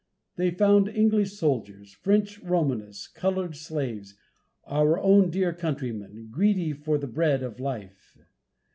They found English soldiers, French Romanists, colored slaves, our own dear countrymen, greedy for the bread of life.